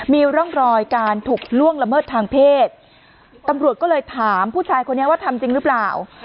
มีร่องรอยการถูกล่วงละเมิดทางเพศตำรวจก็เลยถามผู้ชายคนนี้ว่าทำจริงหรือเปล่า